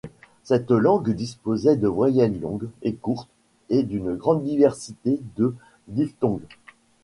Cette langue disposait de voyelles longues et courtes et d'une grande diversité de diphtongues.